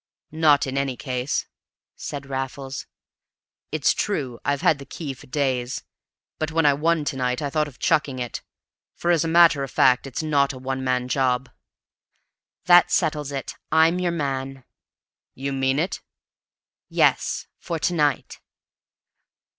"Not in any case," said Raffles. "It's true I've had the key for days, but when I won to night I thought of chucking it; for, as a matter of fact, it's not a one man job." "That settles it. I'm your man." "You mean it?" "Yes for to night."